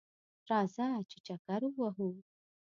راځه ! چې چکر ووهو